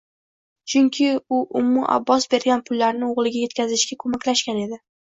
Chunki u Ummu Abbos bergan pullarni o`g`liga etkazishga ko`maklashgan edi